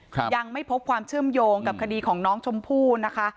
ยังไม่พบความเชื่อมโยงกับคดีของน้องชมพู่นะคะ